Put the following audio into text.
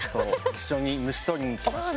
一緒に虫とりに行きまして。